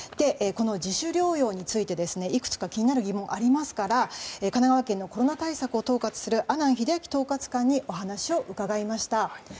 この自主療養について、いくつか気になる疑問ありますから神奈川県のコロナ対策を統括する阿南英明統括官にお話を伺いました。